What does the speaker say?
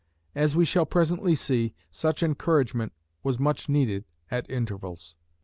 As we shall presently see, such encouragement was much needed at intervals.